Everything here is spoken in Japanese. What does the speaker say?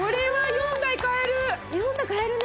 ４台買えるね。